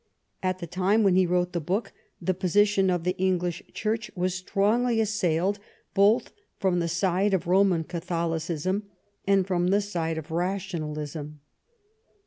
At the time when he wrote the book the position of the Eng lish Church was strongly assailed both from the side of Roman Catholicism and from the side of rationalism.